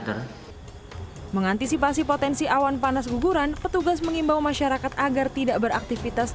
hai mengantisipasi potensi awan panas guguran petugas mengimbau masyarakat agar tidak beraktifitas